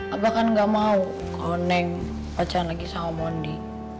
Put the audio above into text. abah kan gak mau kalau neng pacaran lagi sama om wondi